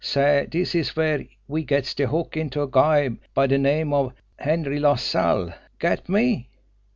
Say, dis is where we gets de hook into a guy by de name of Henry LaSalle! Get me?"